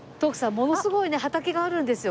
ものすごいね畑があるんですよ